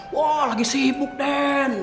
wah lagi sibuk den